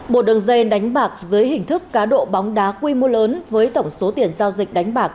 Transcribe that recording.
một đường dây đánh bạc dưới hình thức cá độ bóng đá quy mô lớn với tổng số tiền giao dịch đánh bạc